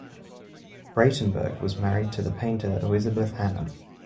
Braitenberg was married to the painter Elisabeth Hanna.